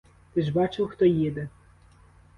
Ти ж бачив, хто їде?